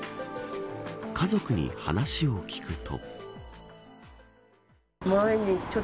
家族に話を聞くと。